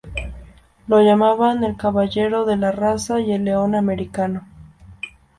Lo llamaban "El Caballero de la Raza" y "El León Americano".